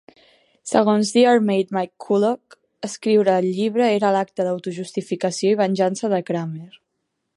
Segons Diarmaid MacCulloch, escriure el llibre era l'acte d'auto-justificació i venjança de Kramer.